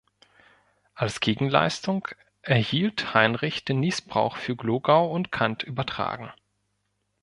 Als Gegenleistung erhielt Heinrich den Nießbrauch für Glogau und Kanth übertragen.